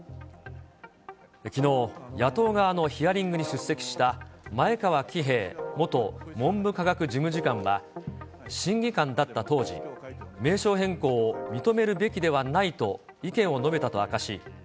きのう、野党側のヒアリングに出席した前川喜平元文部科学事務次官は、審議官だった当時、名称変更を認めるべきではないと意見を述べたと明かし。